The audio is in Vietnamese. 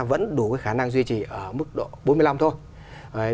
vẫn đủ khả năng duy trì ở mức độ bốn mươi năm thôi